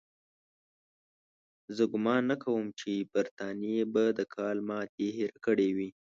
زه ګومان نه کوم چې برټانیې به د کال ماتې هېره کړې وي.